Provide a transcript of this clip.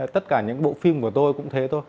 tất cả những bộ phim của tôi cũng thế thôi